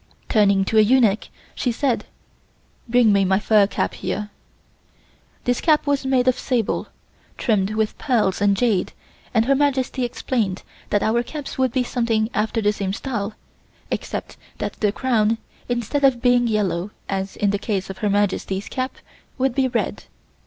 Turning to a eunuch she said: "Bring my fur cap here." This cap was made of sable, trimmed with pearls and jade and Her Majesty explained that our caps would be something after the same style except that the crown, instead of being yellow as in the case of Her Majesty's cap, would be red.